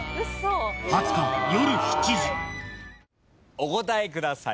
お答えください。